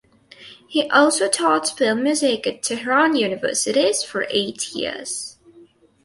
He also taught film music at Tehran universities for eight years.